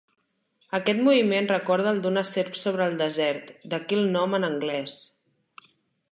Aquest moviment recorda el d'una serp sobre el desert, d'aquí el nom en anglès.